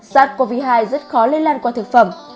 sars cov hai rất khó lây lan qua thực phẩm